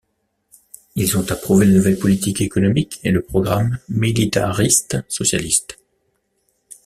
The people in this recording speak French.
Ils ont approuvé la nouvelle politique économique et le programme militariste-socialiste.